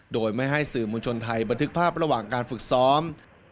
โดยไม่ให้สื่อมวลชนไทยบันทึกภาพระหว่างการฝึกซ้อม